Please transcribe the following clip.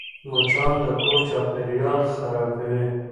مچان د کور چاپېریال خرابوي